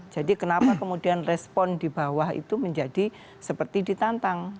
jadi kenapa kemudian respon di bawah itu menjadi seperti ditantang